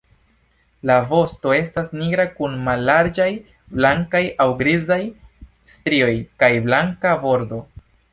La vosto estas nigra kun mallarĝaj blankaj aŭ grizaj strioj kaj blanka bordo.